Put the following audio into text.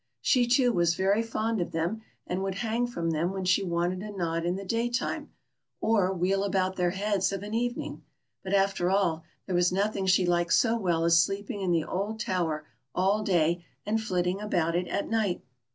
She, too, was very fond of them, and would hang from them v/hen she wanted a nod in the daytime, or wheel about their heads of an evening; but after all, there was nothing she liked so well as sleeping in the old tower all day, and flitting about it at night.